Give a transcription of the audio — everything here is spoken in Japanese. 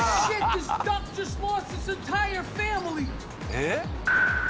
えっ！